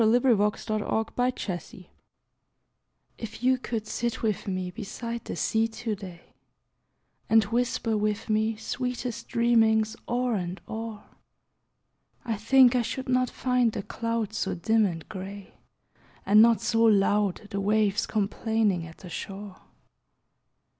Paul Laurence Dunbar Lounging IF YOU could sit with me beside the sea to day, And whisper with me sweetest dreamings o'er and o'er; I think I should not find the clouds so dim and gray, And not so loud the waves complaining at the shore.